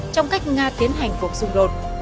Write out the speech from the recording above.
trong cách nga tiến hành cuộc xung đột